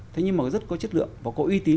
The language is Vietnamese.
thế nhưng mà rất có chất lượng và có uy tín